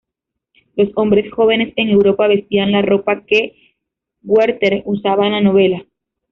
Los hombres jóvenes en Europa vestían la ropa que Werther usaba en la novela.